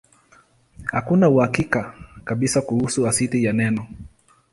Hakuna uhakika kabisa kuhusu asili ya neno.